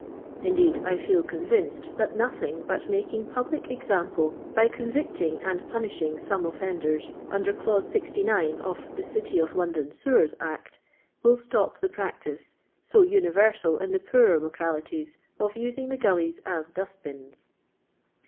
Indeed, I feel convinced that nothing but making public example by convicting and punishing some offenders, under clause 69 of * The City of London Sewers' Act,' will stop the practice, so universal in the poorer localities, of using the gullies as dustbins."